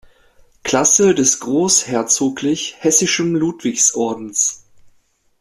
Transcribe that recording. Klasse des Großherzoglich Hessischen Ludwigsordens.